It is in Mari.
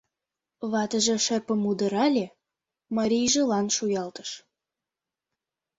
Ватыже шырпым удырале, марийжылан шуялтыш.